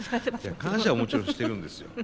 感謝はもちろんしてるんですよ。